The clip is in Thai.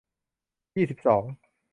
ยี่สิบสอง